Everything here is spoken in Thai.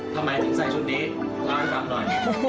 ทำไมถึงใส่ชุดนี้ล้างทำหน่อย